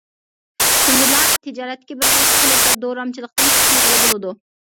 شۇندىلا تىجارەتتىكى بىر خىل قېلىپ ۋە دورامچىلىقتىن قۇتۇلغىلى بولىدۇ.